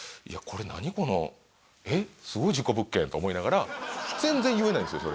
これ何このえっすごい事故物件と思いながら全然言えないんですよ